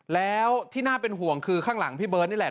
แล้วที่น่าเป็นห่วงคือข้างหลังพี่เบิร์ตนี่แหละ